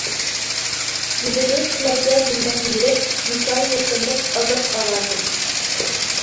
يېتىدۇ سىلەرگە زۇلمەتنى يېرىپ، مىسالى يەتكەندەك ئازاد ئاۋازىم.